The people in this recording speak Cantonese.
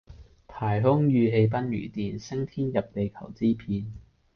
排空馭氣奔如電，升天入地求之遍。